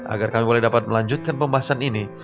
agar kami boleh dapat melanjutkan pembahasan ini